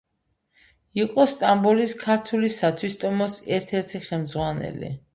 იყო სტამბოლის ქართული სათვისტომოს ერთ-ერთი ხელმძღვანელი.